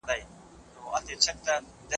زاړه میتودونه د نوو څېړنو لپاره لږ تاثیر لري.